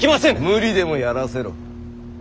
無理でもやらせろ。